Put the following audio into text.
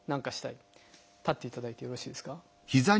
立っていただいてよろしいですか？